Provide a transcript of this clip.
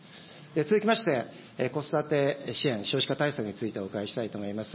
続きまして、子育て支援、少子化対策についてお伺いしたいと思います。